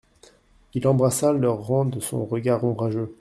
Il embrassa leurs rangs de son regard ombrageux.